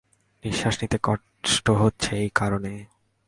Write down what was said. নিঃশ্বাস নিতে কষ্ট হচ্ছে এই কারণে।